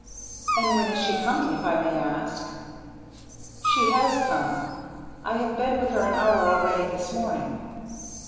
"And when is she coming, if I may ask?" "She has come. I have been with her an hour already this morning."